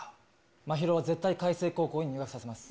真宙は絶対、開成高校に入学させます。